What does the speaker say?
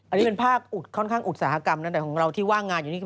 อันนี้เป็นภาพค่อนข้างอุตสาหกรรมนะแต่ของเราที่ว่างงานอยู่นี่คือ